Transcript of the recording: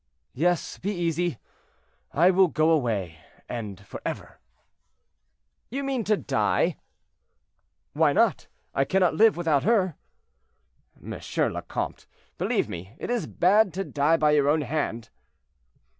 "Yes, be easy; I will go away, and forever." "You mean to die?" "Why not? I cannot live without her." "M. le Comte, believe me, it is bad to die by your own hand."